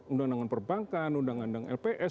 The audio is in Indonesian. undang undang perbankan undang undang lps